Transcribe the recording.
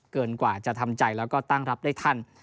เกินกว่าจะทำใจแล้วก็ตั้งรับได้ทัน